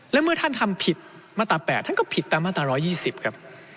และเมื่อท่านทำผิดมาตรา๘ท่านก็ผิดตามมาตรา๑๒๐ครับ